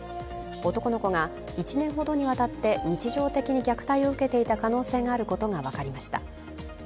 男の子が１年ほどにわたって日常的に虐待を受けていた可能性があることが分かりました。